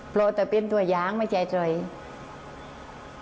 เพราะแต่เป็นตัวอย่างไม่ใช่จอย